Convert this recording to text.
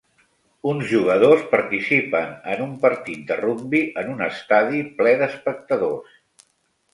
Uns jugadors participen en un partit de rugbi en un estadi ple d'espectadors.